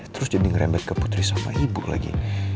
terus jadi ngerembet ke putri sama ibu lagi